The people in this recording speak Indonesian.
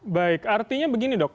baik artinya begini dok